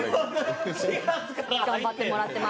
頑張ってもらってます。